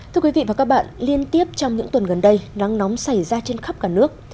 thưa quý vị và các bạn liên tiếp trong những tuần gần đây nắng nóng xảy ra trên khắp cả nước